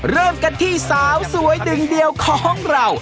เริ่มกันที่สาวสวยดึงเดียวของเรา